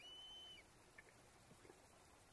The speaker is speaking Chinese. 它们的身体粗度中等。